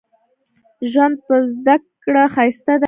ژوند په زده کړه ښايسته دې